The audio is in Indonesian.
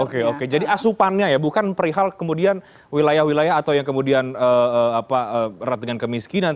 oke oke jadi asupannya ya bukan perihal kemudian wilayah wilayah atau yang kemudian erat dengan kemiskinan